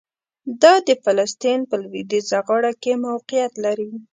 دا د فلسطین په لویدیځه غاړه کې موقعیت لري.